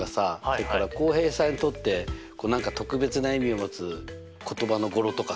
それから浩平さんにとって何か特別な意味を持つ言葉の語呂とかさ。